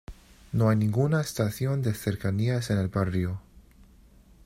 No hay ninguna estación de cercanías en el barrio.